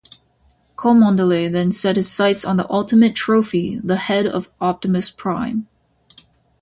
Cholmondeley then set his sights on the ultimate trophy, the head of Optimus Prime.